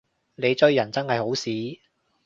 你追人真係好屎